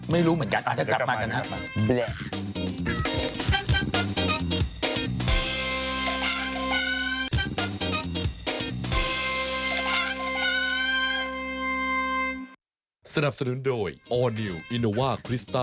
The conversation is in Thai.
ไม่รู้เหมือนกันอาจจะกลับมากันนะ